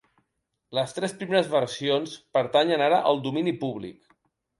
Les tres primeres versions pertanyen ara al domini públic.